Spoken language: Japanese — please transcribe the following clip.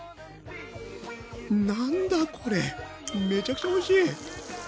なんだこれめちゃくちゃおいしい！